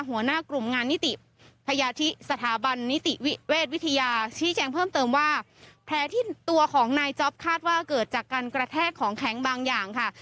หัวหน้ากลุ่มงานนิติพยาธิสถาบันนิติเวชวิทยาชี้แจงเพิ่มเติมว่าแผลที่ตัวของนายจ๊อปคาดว่าเกิดจากการกระแทกของแข็งบางอย่างค่ะ